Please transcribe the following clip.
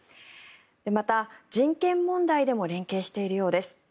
また、人権問題でも連携しているようです。